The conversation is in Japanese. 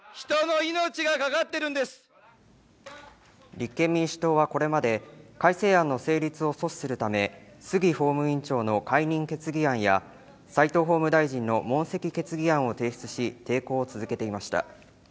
立憲民主党はこれまで改正案の成立を阻止するため杉法務委員長の解任決議案や、齋藤法務大臣の問責決議案を提出し、抵抗を続けていました。